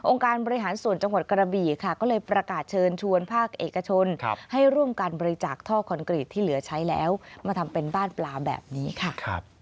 การบริหารส่วนจังหวัดกระบี่ค่ะก็เลยประกาศเชิญชวนภาคเอกชนให้ร่วมการบริจาคท่อคอนกรีตที่เหลือใช้แล้วมาทำเป็นบ้านปลาแบบนี้ค่ะ